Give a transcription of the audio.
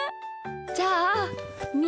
じゃあみ